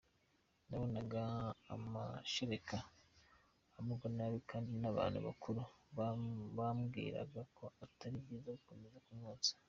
Nabonaga amashereka amugwa nabi kandi n’abantu bakuru bambwiraga ko atari byiza gukomeza kumwonsa”.